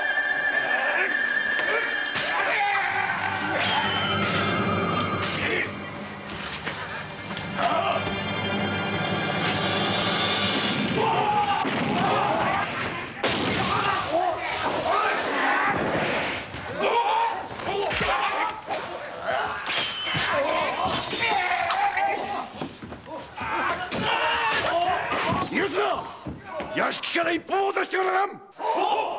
屋敷から一歩も出してはならぬ！